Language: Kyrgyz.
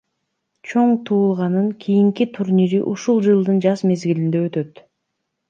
Чоң туулганын кийинки турнири ушул жылдын жаз мезгилинде өтөт.